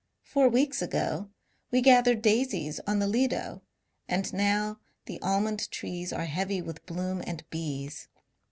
Four weeks ago we gathered daisies on the Lido ; and now the almond trees are heavy with bloom and bees.